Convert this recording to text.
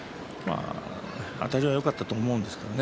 あたりはよかったと思うんですけれど。